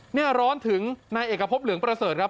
นี่ร้อนถึงนายเอกพบเหลืองประเสริฐครับ